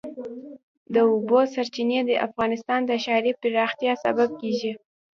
د اوبو سرچینې د افغانستان د ښاري پراختیا سبب کېږي.